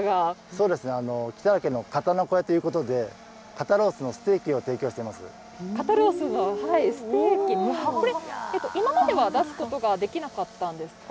そうですね、北岳の肩の小屋ということで、肩ロースのステーキを提供してま肩ロースのステーキ、これ、今までは出すことができなかったんですか？